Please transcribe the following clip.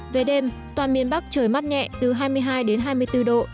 về đêm toàn miền bắc trời mắt nhẹ từ hai mươi hai hai mươi bốn độ